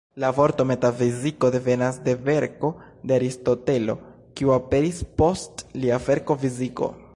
La vorto "metafiziko" devenas de verko de Aristotelo, kiu aperis "post" lia verko "fiziko".